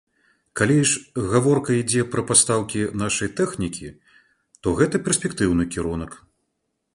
Калі ж гаворка ідзе пра пастаўкі нашай тэхнікі, то гэта перспектыўны кірунак.